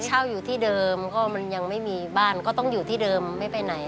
เช่าอยู่ที่เดิมก็มันยังไม่มีบ้านก็ต้องอยู่ที่เดิมไม่ไปไหน